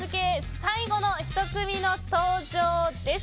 最後の１組の登場です。